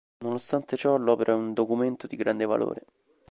Nonostante ciò l'opera è un documento di grande valore.